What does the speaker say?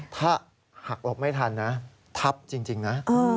ถ้าหักหลบไม่ทันนะทับจริงนะ